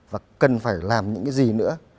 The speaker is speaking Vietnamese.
và cần phải làm những cái gì nữa